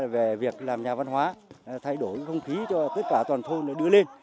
về việc làm nhà văn hóa thay đổi không khí cho tất cả toàn thôn đưa lên